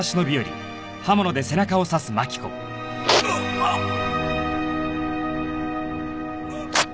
あっ！